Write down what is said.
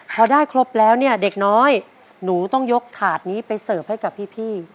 พอได้ครบแล้วเนี่ยเด็กน้อยหนูต้องยกถาดนี้ไปเสิร์ฟให้กับพี่